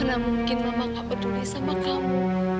gak mungkin mama gak peduli sama kamu